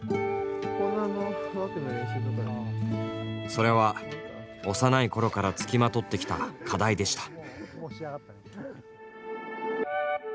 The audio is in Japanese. それは幼い頃から付きまとってきた課題でした。